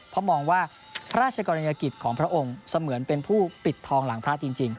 เพราะมองว่าพระราชกรณียกิจของพระองค์เสมือนเป็นผู้ปิดทองหลังพระจริง